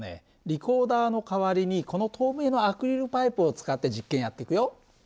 リコーダーの代わりにこの透明のアクリルパイプを使って実験やってくよ。